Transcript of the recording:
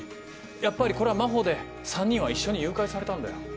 やっぱりこれは真帆で３人は一緒に誘拐されたんだよ。